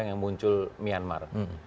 yang muncul myanmar